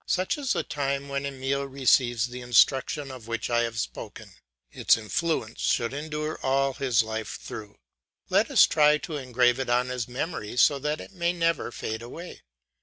Such is the time when Emile receives the instruction of which I have spoken; its influence should endure all his life through. Let us try to engrave it on his memory so that it may never fade away.